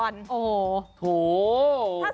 ถ้าใส่กลวยนี้